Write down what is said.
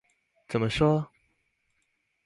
怎麼說？